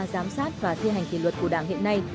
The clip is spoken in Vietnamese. giám sát và thi hành kỷ luật của đảng hiện nay